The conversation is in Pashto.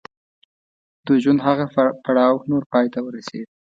د ژوند هغه پړاو نور پای ته ورسېد.